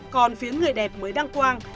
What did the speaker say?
còn phía người đẹp mới đăng quang